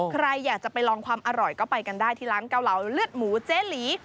ใครอยากจะไปลองความอร่อยก็ไปกันได้ที่ร้านเกาเหลาเลือดหมูเจ๊หลี